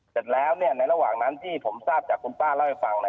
เสร็จแล้วในระหว่างนั้นที่ผมทราบจากคุณป้าเล่าให้ฟัง